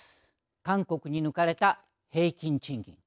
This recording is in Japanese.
韓国に抜かれた平均賃金。